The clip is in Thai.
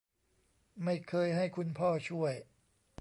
ไม่เคยให้คุณพ่อช่วย